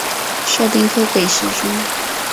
授兵科给事中。